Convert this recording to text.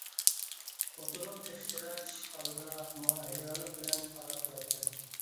خوتۇنۇم تېخىچىلا ئىشىك ئالدىدا ماڭا ھەيرانلىق بىلەن قاراپ تۇراتتى.